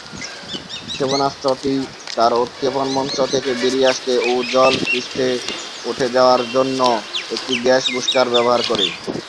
ক্ষেপণাস্ত্রটি তার উৎক্ষেপণ মঞ্চ থেকে বেরিয়ে আসতে ও জল পৃষ্ঠে উঠে যাওয়ার জন্য একটি গ্যাস বুস্টার ব্যবহার করে।